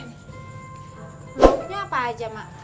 lauknya apa aja mak